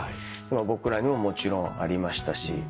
僕らにももちろんありましたし。